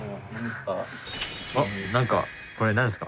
あっ何かこれ何ですか？